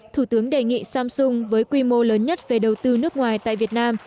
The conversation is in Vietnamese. thủ tướng đề nghị samsung với quy mô lớn nhất về đầu tư nước ngoài tại việt nam